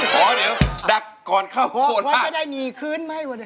อ๋อเดี๋ยวดักก่อนเข้าโทรศัพท์ค่ะว่าจะได้หนีคืนไหม